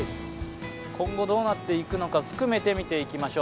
今後どうなっていくのか含めてみていきましょう。